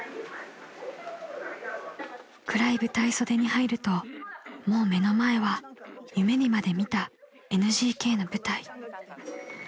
［暗い舞台袖に入るともう目の前は夢にまで見たＮＧＫの舞台］